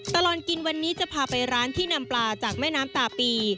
ตลอดกินวันนี้จะพาไปร้านที่นำปลาจากแม่น้ำตาปี